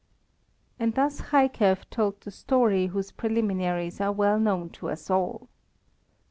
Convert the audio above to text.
And thus Jaikef told the story whose preliminaries are well known to us all.